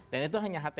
dan itu hanya hti